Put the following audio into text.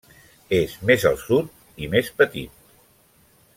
És més al sud i més petit.